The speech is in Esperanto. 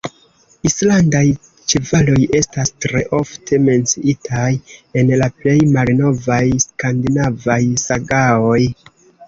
Islandaj ĉevaloj estas tre ofte menciitaj en la plej malnovaj skandinavaj sagaoj.